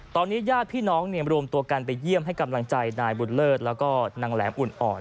ตอนนี้ญาติพี่น้องรวมตัวกันไปเยี่ยมให้กำลังใจนายบุญเลิศแล้วก็นางแหลมอุ่นอ่อน